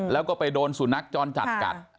แล้วก็ไปโดนสุนัขจรจัดกัด